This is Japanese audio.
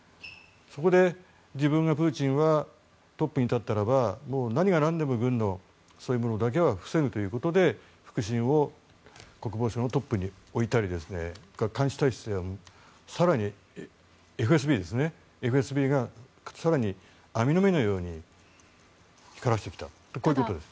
そこでプーチンは自分がトップに立ったらば何が何でも軍のそういうものだけは防ぐということで腹心を国防省のトップに置いたり監視体制を更にＦＳＢが網の目のように光らせてきたということです。